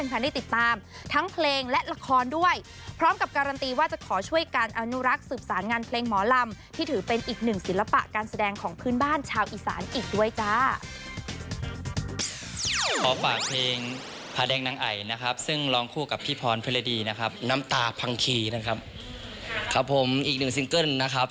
น้ำตาพังขี่นะครับครับผมอีกหนึ่งซิงเกิ้ลนะครับ